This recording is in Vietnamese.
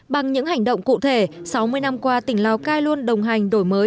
bằng những hành động cụ thể sáu mươi năm qua tỉnh lào cai luôn đồng hành đổi mới